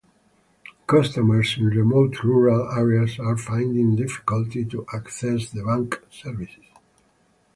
Customers in remote rural areas are finding difficulty to access the bank services.